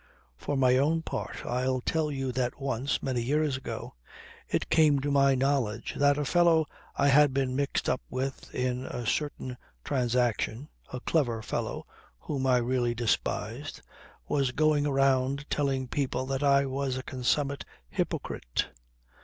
For my own part I'll tell you that once, many years ago now, it came to my knowledge that a fellow I had been mixed up with in a certain transaction a clever fellow whom I really despised was going around telling people that I was a consummate hypocrite.